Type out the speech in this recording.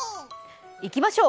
いきましょう。